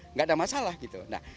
nggak ada masalah gitu